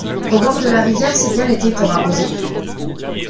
Au bord de la rivière, c’est bien l’été, pour arroser.